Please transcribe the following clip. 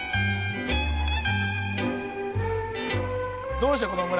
どうしてこの村